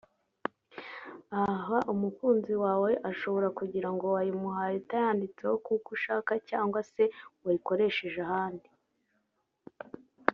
Aha umukunzi wawe ashobora kugirango wayimuhaye utayanditseho kuko ushaka cyangwa se wayikoresheje ahandi